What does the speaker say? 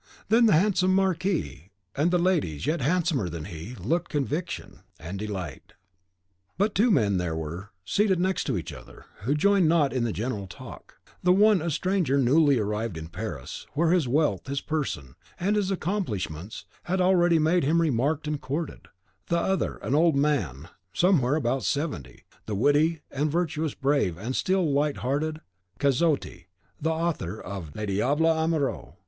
The handsome Marquis de and the ladies, yet handsomer than he, looked conviction and delight. But two men there were, seated next to each other, who joined not in the general talk: the one a stranger newly arrived in Paris, where his wealth, his person, and his accomplishments, had already made him remarked and courted; the other, an old man, somewhere about seventy, the witty and virtuous, brave, and still light hearted Cazotte, the author of "Le Diable Amoureux."